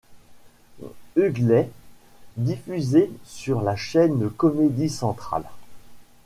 Hughley, diffusé sur la chaîne Comedy Central.